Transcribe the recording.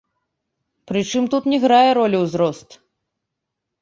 Прычым тут не грае ролю ўзрост.